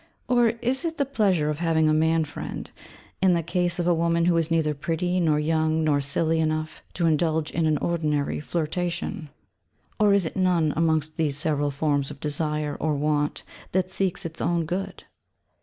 Or is it the pleasure of having a man friend, in the case of a woman who is neither pretty, nor young, nor silly, enough to indulge in an ordinary flirtation? Or is it none amongst these several forms of desire, or want, that seeks its own good?